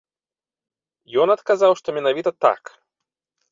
Ён адказаў, што менавіта так.